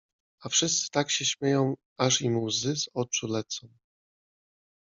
A wszyscy tak się śmieją, aż im łzy z oczu lecą.